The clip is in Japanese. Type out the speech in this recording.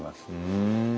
ふん。